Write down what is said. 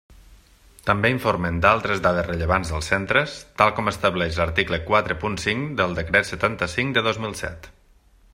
També informen d'altres dades rellevants dels centres tal com estableix l'article quatre punt cinc del Decret setanta-cinc de dos mil set.